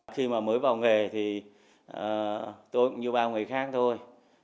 khi mà mới vào nghề thì tôi cũng như bao người khác thôi